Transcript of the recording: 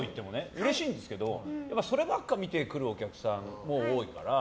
うれしいんですけどそればっか見て来るお客さんも多いから。